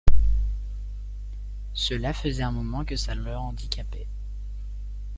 Cela faisait un moment que ça le handicapait.